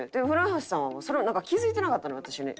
舟橋さんはそれをなんか気付いてなかったの私に。